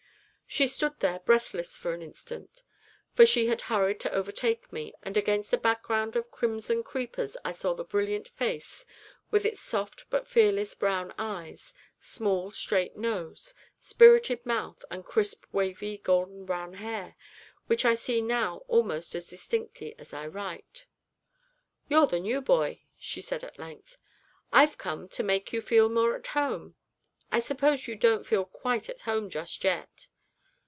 She stood there breathless for an instant, for she had hurried to overtake me, and against a background of crimson creepers I saw the brilliant face, with its soft but fearless brown eyes, small straight nose, spirited mouth, and crisp wavy golden brown hair, which I see now almost as distinctly as I write. 'You're the new boy,' she said at length. 'I've come out to make you feel more at home. I suppose you don't feel quite at home just yet?'